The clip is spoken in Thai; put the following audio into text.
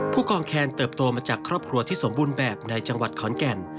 ผู้กองแคนเติบโตมาจากครอบครัวที่สมบูรณ์แบบในจังหวัดขอนแก่น